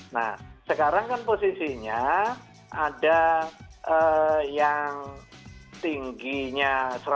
nah sekarang kan posisinya ada yang tingginya satu ratus delapan puluh